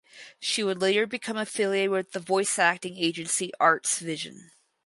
She would later become affiliated with the voice acting agency Arts Vision.